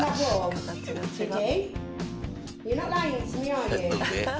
形が違う。